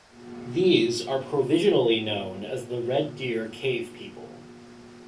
These are provisionally known as the Red Deer Cave people.